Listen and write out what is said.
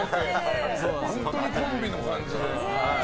本当にコンビの感じでね。